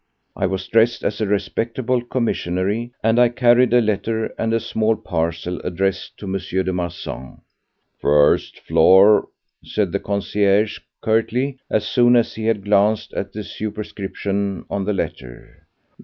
I was dressed as a respectable commissionnaire, and I carried a letter and a small parcel addressed to M. de Marsan. "First floor," said the concierge curtly, as soon as he had glanced at the superscription on the letter.